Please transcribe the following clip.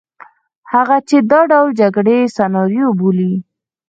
هغه چې دا ډول جګړې سناریو بولي.